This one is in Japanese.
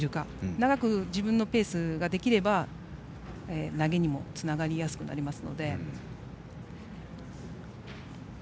長く自分のペースができれば投げにもつながりやすくなります。